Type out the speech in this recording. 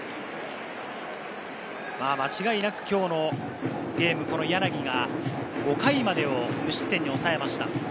間違いなく今日のゲーム、柳が５回までを無失点に抑えました。